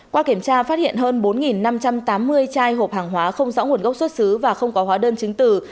qua kiểm tra phát hiện hơn bốn năm trăm tám mươi chai hộp hàng hóa không rõ nguồn gốc xuất xứ và không có hóa đơn chứng từ